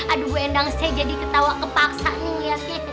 aduh bu endang saya jadi ketawa kepaksa nih ya